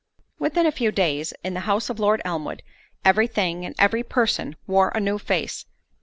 Within a few days, in the house of Lord Elmwood, every thing, and every person, wore a new face.